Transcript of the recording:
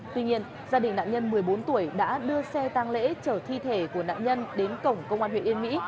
tuy nhiên gia đình nạn nhân một mươi bốn tuổi đã đưa xe tăng lễ trở thi thể của nạn nhân đến cổng công an huyện yên mỹ